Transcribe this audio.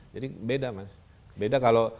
jadi beda mas beda kalau